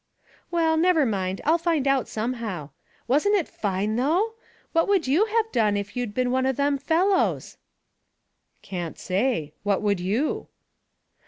" Well, never mind. I'll find out somehow. Wasn't it fine, though ? What would you have done if you'd been one of them fellows ?"*' Can't say. What would you